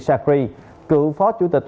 sacri cựu phó chủ tịch